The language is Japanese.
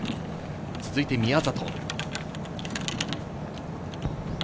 続いて宮里。